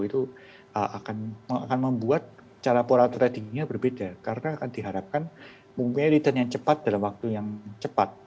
itu akan membuat cara pola tradingnya berbeda karena akan diharapkan mempunyai return yang cepat dalam waktu yang cepat